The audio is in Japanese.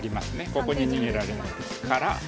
ここに逃げられないですから。